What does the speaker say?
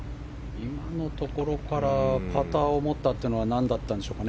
今のところからパターを持ったのはなんだったんでしょうかね。